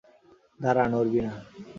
দাঁড়া, নড়বি না।